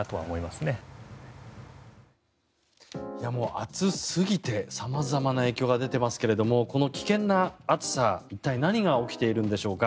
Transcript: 暑すぎて様々な影響が出てますがこの危険な暑さ、一体何が起きているのでしょうか。